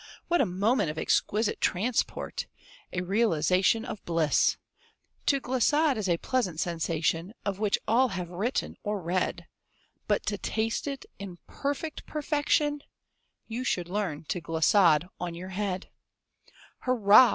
What a moment of exquisite transport! A realization of bliss! To glissade is a pleasant sensation, Of which all have written, or read; But to taste it, in perfect perfection, You should learn to glissade on your head. Hurrah!